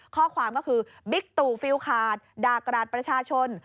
ข้อความก็คือบิ๊กตู่ฟิลขาดด่ากราศประชาชน